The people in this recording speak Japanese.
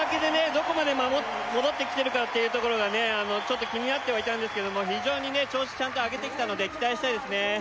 どこまで戻ってきてるかっていうところが気になってはいたんですけど非常に調子上げてきたので期待したいですね